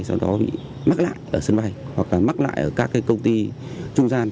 sau đó bị mắc lại ở sân bay hoặc mắc lại ở các công ty trung gian